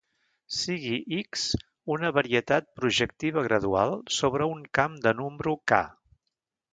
Sigui "X" una varietat projectiva gradual sobre un camp de número "K".